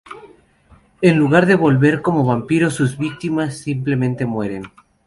En lugar de volver como vampiros, sus víctimas simplemente mueren.